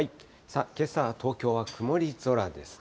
けさ、東京は曇り空ですね。